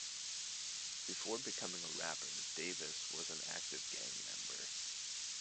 Before becoming a rapper Davis was an active gang member.